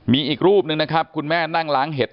มีอีกรูปหนึ่งนะครับคุณแม่นั่งล้างเห็ด